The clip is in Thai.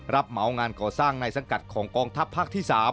เหมางานก่อสร้างในสังกัดของกองทัพภาคที่๓